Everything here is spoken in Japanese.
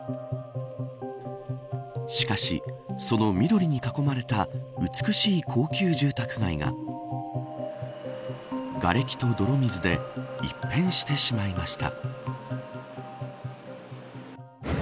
しかし、その緑に囲まれた美しい高級住宅街ががれきと泥水で一変してしまいました。